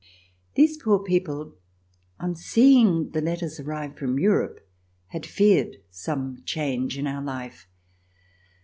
These poor people, on seeing the letters arrive from Europe, had feared some change in our life.